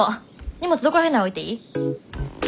荷物どこら辺なら置いていい？